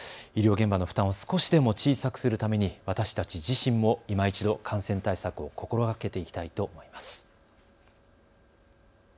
医療現場の負担を少しでも小さくするために私たち自身もいま一度感染対策を心がけていきたいと思います。